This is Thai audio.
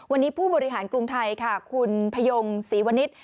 วันนี้ผู้บริหารกรุงไทยค่ะคุณพยงศรีวนิษฐ์